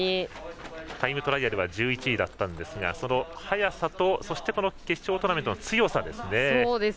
タイムトライアルは１１位だったんですが速さとそして決勝トーナメントの強さですね。